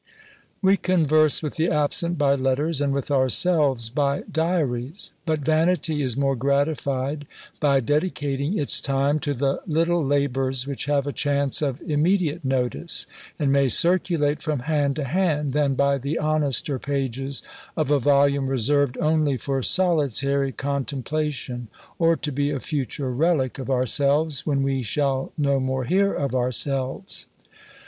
We converse with the absent by letters, and with ourselves by diaries; but vanity is more gratified by dedicating its time to the little labours which have a chance of immediate notice, and may circulate from hand to hand, than by the honester pages of a volume reserved only for solitary contemplation; or to be a future relic of ourselves, when we shall no more hear of ourselves.